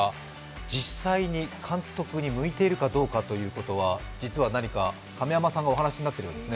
実際に監督に向いているかどうかということは、実は何か亀山さんがお話になっているようですね。